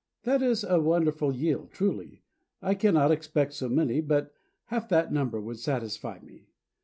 That is a wonderful yield, truly; I cannot expect so many, but half that number would satisfy me.